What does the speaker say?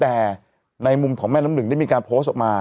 แต่ในมุมของแม่น้ำหนึ่งได้มีการโพสต์ออกมา